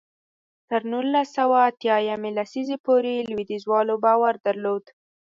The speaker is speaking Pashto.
تر نولس سوه اتیا یمې لسیزې پورې لوېدیځوالو باور درلود.